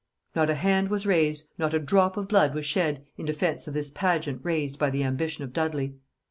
Not a hand was raised, not a drop of blood was shed, in defence of this pageant raised by the ambition of Dudley.